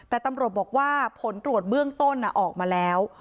แต่ตำรวจบอกว่าผลตรวจเบื้องต้นออกมาแล้ว